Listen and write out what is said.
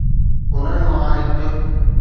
انهن مان هڪ